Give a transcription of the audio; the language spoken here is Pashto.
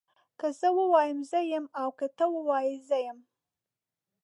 که زه ووایم زه يم او که ته ووايي زه يم